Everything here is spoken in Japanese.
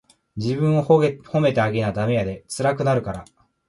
自分を褒めてあげなダメやで、つらくなるから。